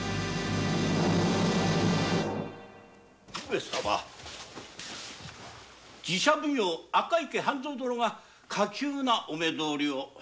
上様寺社奉行赤池半蔵殿が火急なお目通りを。